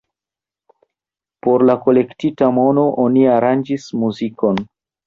Por la kolektita mono oni aranĝis muzikon.